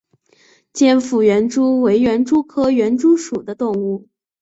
尖腹园蛛为园蛛科园蛛属的动物。